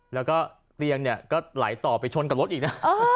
แล้วก็เตียงเนี่ยก็ไหลต่อไปชนกับรถอีกนะ